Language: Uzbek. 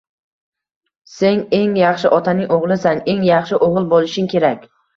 Sen eng yaxshi otaning oʻgʻlisan, eng yaxshi oʻgʻil boʻlishing kerak...